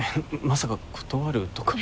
まさか断るとか。